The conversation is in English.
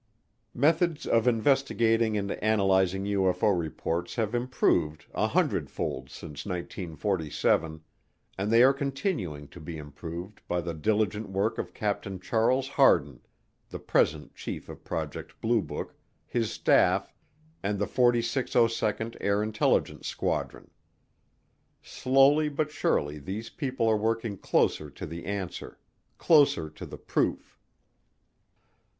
Methods of investigating and analyzing UFO reports have improved a hundredfold since 1947 and they are continuing to be improved by the diligent work of Captain Charles Hardin, the present chief of Project Blue Book, his staff, and the 4602nd Air Intelligence Squadron. Slowly but surely these people are working closer to the answer closer to the proof.